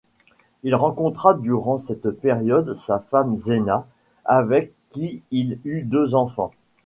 Il rencontra durant cette période sa femme Zeina, avec qui il eut deux enfants.